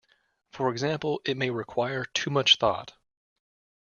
For example, it may require too much thought.